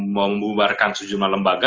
membuarkan sejumlah lembaga